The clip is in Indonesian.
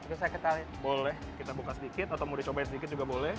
oke boleh kita buka sedikit atau mau dicobain sedikit juga boleh